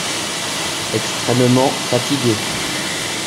Extrêmement fatigué.